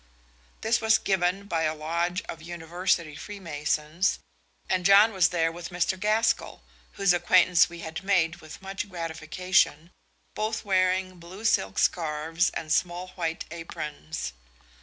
This was given by a Lodge of University Freemasons, and John was there with Mr. Gaskell whose acquaintance we had made with much gratification both wearing blue silk scarves and small white aprons.